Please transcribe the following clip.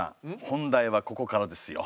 本題はここからですよ。